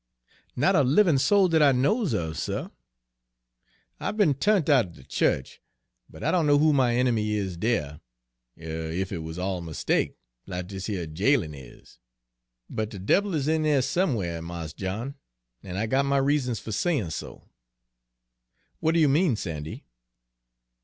"Not a livin' soul dat I knows of, suh. I've be'n tu'ned out'n de chu'ch, but I don' know who my enemy is dere, er ef it wuz all a mistake, like dis yer jailin' is; but de Debbil is in dis somewhar, Mars John, an' I got my reasons fer sayin' so." "What do you mean, Sandy?"